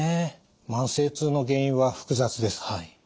慢性痛の原因は複雑です。